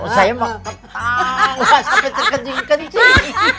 saya mau ketawa sampai terkencing kencing